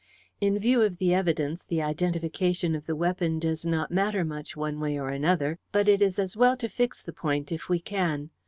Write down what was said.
"In view of the evidence, the identification of the weapon does not matter much one way or another, but it is as well to fix the point, if we can.